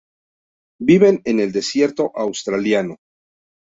Viven en el desierto australiano.